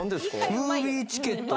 ムービーチケット。